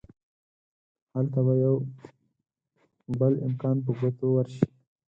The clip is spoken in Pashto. هلته به يو بل امکان په ګوتو ورشي.